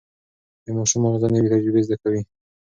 د ماشوم ماغزه نوي تجربې زده کوي.